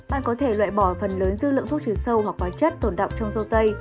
bạn có thể loại bỏ phần lớn dư lượng thuốc trừ sâu hoặc quả chất tồn đọng trong rau tây